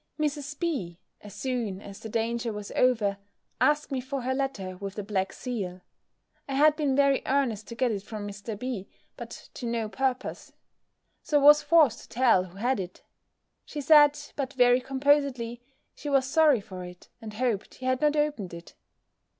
Mrs. B., as soon as the danger was over, asked me for her letter with the black seal. I had been very earnest to get it from Mr. B. but to no purpose; so I was forced to tell who had it. She said, but very composedly, she was sorry for it, and hoped he had not opened it.